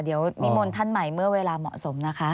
เดี๋ยวนิมนต์ท่านใหม่เมื่อเวลาเหมาะสมนะคะ